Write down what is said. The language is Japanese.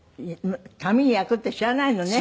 紙に焼くって知らないのね？